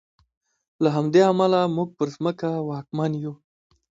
له همدې امله موږ پر ځمکه واکمن یو.